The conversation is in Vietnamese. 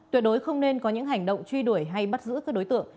tuyệt đối không nên có những hành động truy đuổi hay bắt giữ các đối tượng